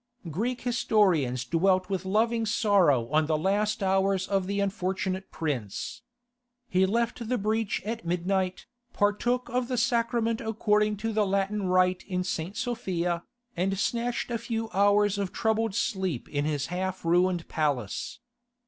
Greek historians dwelt with loving sorrow on the last hours of the unfortunate prince. He left the breach at midnight, partook of the sacrament according to the Latin rite in St. Sophia, and snatched a few hours of troubled sleep in his half ruined palace.